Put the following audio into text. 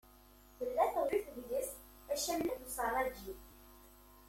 Tella teɣzuyt deg-s acamlal d userraǧi.